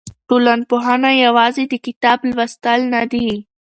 ټولنپوهنه یوازې د کتاب لوستل نه دي.